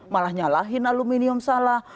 malah nyalahin aluminium salah